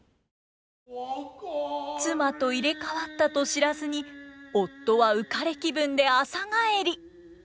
妻と入れ代わったと知らずに夫は浮かれ気分で朝帰り！